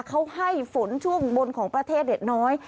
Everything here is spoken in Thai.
เขาให้ฝนช่วงบนของประเทศน้อย